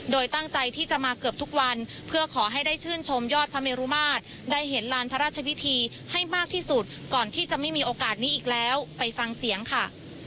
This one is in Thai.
โดยตั้งใจที่จะมาเกือบทุกวันเพื่อขอให้ได้ชื่นชมยอดพระเมรุมาตรได้เห็นลานพระราชพิธีให้มากที่สุดก่อนที่จะไม่มีโอกาสนี้อีกแล้วไปฟังเสียงค่ะ